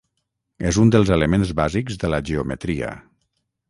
És un dels elements bàsics de la geometria.